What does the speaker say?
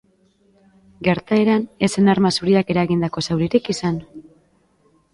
Gertaeran, ez zen arma zuriak eragindako zauririk izan.